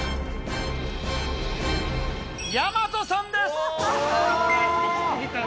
大和さんです。